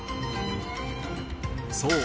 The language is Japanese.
そう。